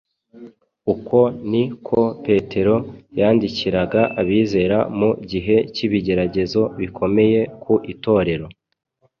Uko ni ko petero yandikiraga abizera mu gihe cy’ibigeragezo bikomeye ku itorero.